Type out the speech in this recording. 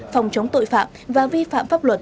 phòng chống tội phạm và vi phạm pháp luật